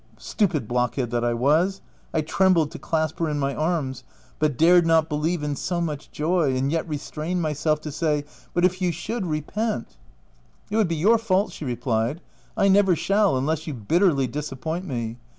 Stupid blockhead that I was !— I trembled to clasp her in my arms, but dared not believe in so much joy, and yet restrained myself to say,— OF WILDFELL HALL. 331 " But if you should repent \"" It would be your fault," she replied :" I never shall, unless you bitterly disappoint me.